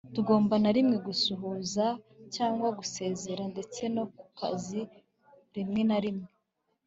ntugomba na rimwe gusuhuza cyangwa gusezera ndetse no ku kazi rimwe na rimwe